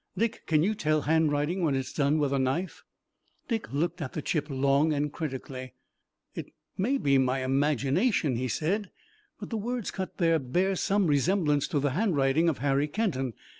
Dick, can you tell handwriting when it's done with a knife?" Dick looked at the chip long and critically. "It may be imagination," he said, "but the words cut there bear some resemblance to the handwriting of Harry Kenton.